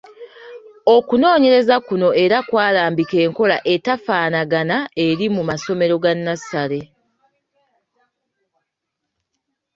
Okunoonyereza kuno era kwalambika enkola atafaanagana eri mu masomero ga nnassale.